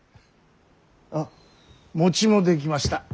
あっ餅も出来ました。